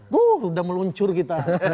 wuh udah meluncur kita